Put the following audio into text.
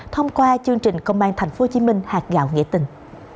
thông qua chương trình công an tp hcm hạt gạo nghĩa tình